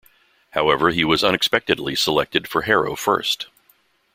However, he was unexpectedly selected for Harrow first.